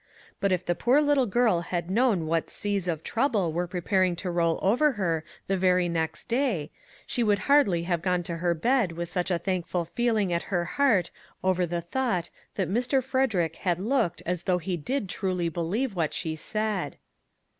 But if the poor little girl had known what seas of trouble were preparing to roll over her the very next day, she would hardly have gone to her bed with such a thankful feeling at her heart over the thought that Mr. Frederick had looked as though he did truly believe what she said.